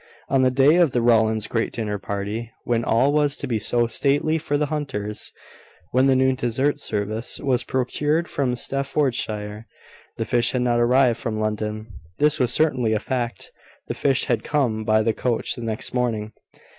On the day of the Rowlands' great dinner party, when all was to be so stately for the Hunters, when the new dessert service was procured from Staffordshire, the fish had not arrived from London. This was certainly a fact; the fish had come by the coach the next morning.